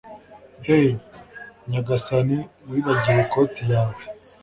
Hey nyagasani wibagiwe ikoti yawe